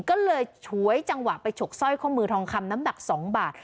ก็เลยฉวยจังหวะไปฉกสร้อยข้อมือทองคำน้ำหนัก๒บาท